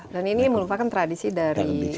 dan ini merupakan tradisi dari